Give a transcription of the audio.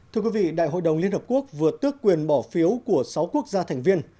thưa quý vị đại hội đồng liên hợp quốc vừa tước quyền bỏ phiếu của sáu quốc gia thành viên